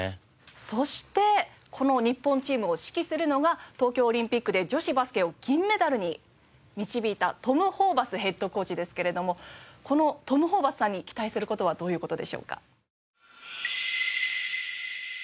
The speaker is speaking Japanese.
そしてこの日本チームを指揮するのが東京オリンピックで女子バスケを銀メダルに導いたトム・ホーバスヘッドコーチですけれどもこのトム・ホーバスさんに期待する事はどういう事でしょうか？